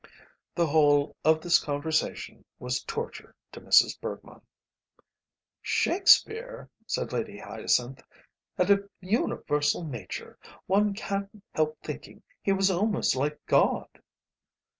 The whole of this conversation was torture to Mrs. Bergmann. "Shakespeare," said Lady Hyacinth, "had a universal nature; one can't help thinking he was almost like God."